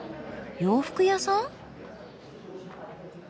洋服屋さん？